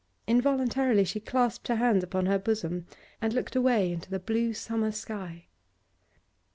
Involuntarily she clasped her hands upon her bosom and looked away into the blue summer sky.